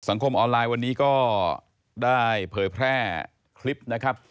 คมออนไลน์วันนี้ก็ได้เผยแพร่คลิปนะครับ